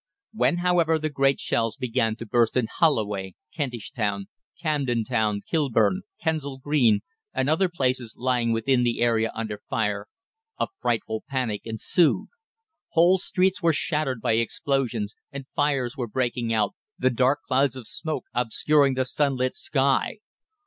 When, however, the great shells began to burst in Holloway, Kentish Town, Camden Town, Kilburn, Kensal Green, and other places lying within the area under fire, a frightful panic ensued. Whole streets were shattered by explosions, and fires were breaking out, the dark clouds of smoke obscuring the sunlit sky.